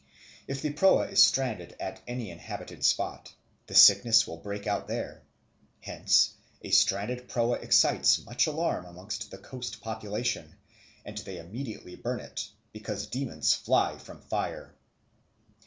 If the proa is stranded at any inhabited spot, the sickness will break out there. Hence a stranded proa excites much alarm amongst the coast population, and they immediately burn it, because demons fly from fire.